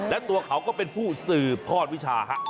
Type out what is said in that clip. และตัวเขาก็เป็นผู้สืบทอดวิชาฮะ